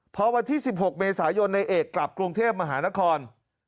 พอวันที่๑๖เมษายนในเอกกลับกรุงเทพมหานคร